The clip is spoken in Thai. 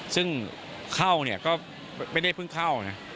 ซึ่งเข้าเนี่ยก็ไม่ได้เพิ่งเข้านะ